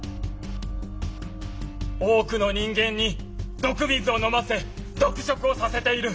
多くの人間に毒水を飲ませ毒食をさせている。